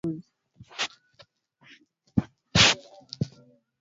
wanachama wa kamati ya sheria kutumia saa kadhaa kutoa taarifa zao ufunguzi